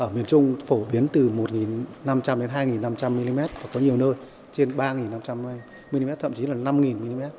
miền trung phổ biến từ một năm trăm linh đến hai năm trăm linh mm và có nhiều nơi trên ba năm trăm linh mm thậm chí là năm mm